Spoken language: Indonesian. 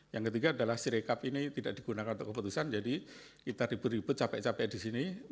yang ketiga adalah sirekap ini tidak digunakan untuk keputusan jadi kita ribut ribut capek capek di sini